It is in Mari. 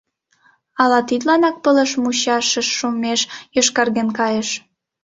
Ала тидланак пылыш мучашыш шумеш йошкарген кайыш.